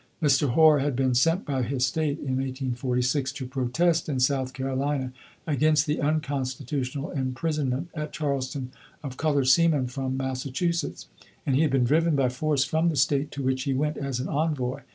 Mr. Hoar had been sent by his State in 1846 to protest in South Carolina against the unconstitutional imprisonment at Charleston of colored seamen from Massachusetts; and he had been driven by force from the State to which he went as an envoy.